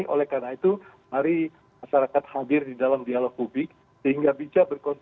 oleh karena itu mari masyarakat hadir di dalam dialog publik